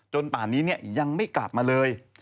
ป่านนี้ยังไม่กลับมาเลย